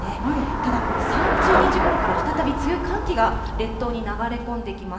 ただ、３０日ごろから再び強い寒気が列島に流れ込んできます。